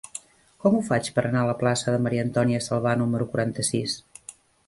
Com ho faig per anar a la plaça de Maria-Antònia Salvà número quaranta-sis?